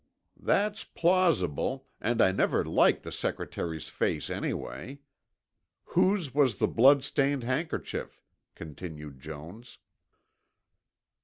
"That's plausible, and I never liked the secretary's face, anyway. Whose was the blood stained handkerchief?" continued Jones.